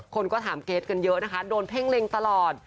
คนก็ถามเกรทกันเยอะนะคะโดนเพ่งเล็งตลอด